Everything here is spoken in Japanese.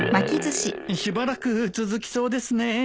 しばらく続きそうですね。